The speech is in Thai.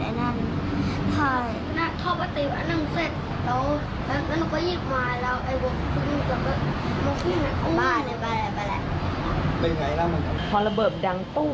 เดินไม่ได้เลยเหรอแล้วมีเลือดเลยที่ตัว